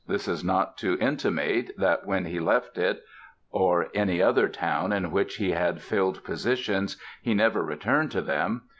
This is not to intimate that when he left it or any other town in which he had filled positions he never returned to them.